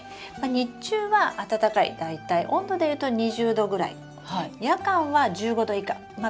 日中は暖かい大体温度でいうと２０℃ぐらい夜間は１５℃以下まあ